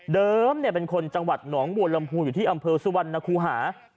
เดิมเนี่ยเป็นคนจังหวัดหนองบวลลำภูอยู่ที่อำเภอสุวรรณคูหา